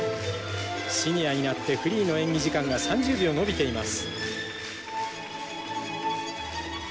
シニアになってフリーの演技時間が３０秒延びています。